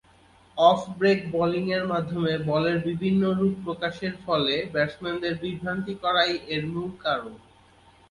Of break বোলিংয়ের মাধ্যমে বলের বিভিন্ন রূপ প্রকাশের ফলে ব্যাটসম্যানদেরকে বিভ্রান্তি করাই এর মূল কারণ।